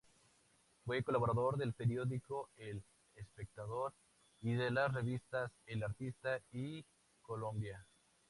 Fue colaborador del periódico "El Espectador" y de las revistas "El Artista y Colombia".